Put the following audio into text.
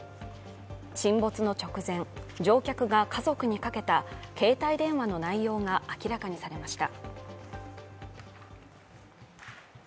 沈没の直前、乗客が家族にかけた携帯電話の内容が明らかにされました。